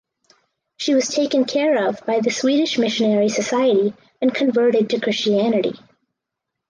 She was taken care of by the Swedish Missionary Society and converted to Christianity.